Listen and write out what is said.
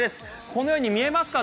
このように見えますか？